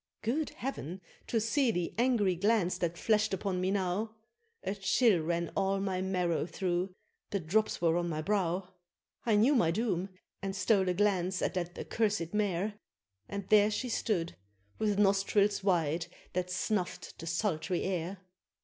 Good Heav'n! to see the angry glance that flashed upon me now! A chill ran all my marrow through the drops were on my brow! I knew my doom, and stole a glance at that accursed Mare, And there she stood, with nostrils wide, that snuff'd the sultry air.